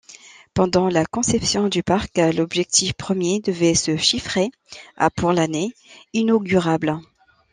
Pendant la conception du parc, l'objectif premier devait se chiffrer à pour l'année inaugurale.